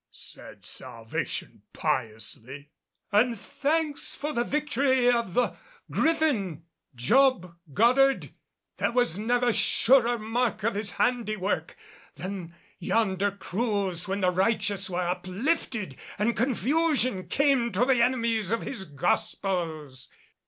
said Salvation, piously. "And thanks for the victory of the Griffin, Job Goddard. There was never surer mark of His handiwork than yonder cruise when the righteous were uplifted and confusion came to the enemies of His Gospels."